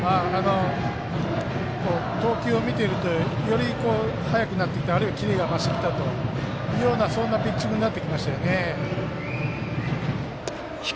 投球を見ているとより速くなってきてキレが増してきたというようなそんなピッチングになってきましたよね。